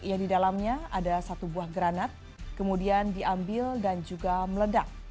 yang di dalamnya ada satu buah granat kemudian diambil dan juga meledak